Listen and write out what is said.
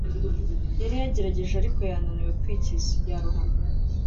yari yagerageje ariko yananiwe kwikiza. yarohamye